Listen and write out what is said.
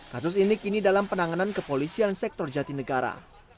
kasus ini kini dalam penanganan kepolisian sektor jati negara